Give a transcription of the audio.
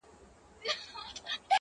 د هر وجود نه راوتلې د روح لاره سوې,